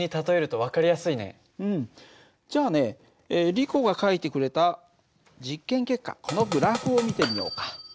じゃあねリコが書いてくれた実験結果このグラフを見てみようか。